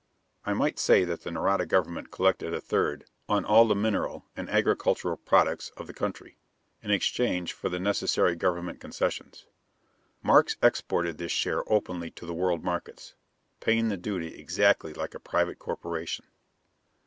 I might say that the Nareda government collected a third on all the mineral and agricultural products of the country, in exchange for the necessary government concessions. Markes exported this share openly to the world markets, paying the duty exactly like a private corporation.